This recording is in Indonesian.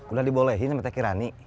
udah dibolehin sama teh kirani